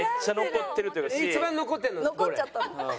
一番残ってるのはどれ？